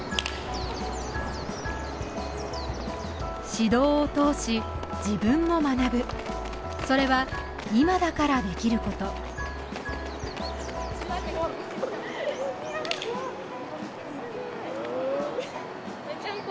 指導を通し自分も学ぶそれは今だからできることめちゃんこ